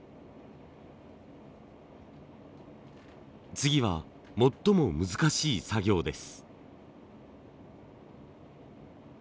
次は最も難しい作業です。